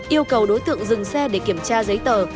yêu cầu đối tượng dừng xe để kiểm tra giấy tờ